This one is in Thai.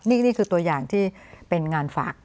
นี่คือตัวอย่างที่เป็นงานฝาก